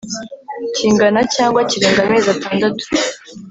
kingana cyangwa kirenga amezi atandatu